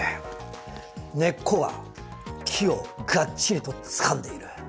根っこが木をがっちりとつかんでいる。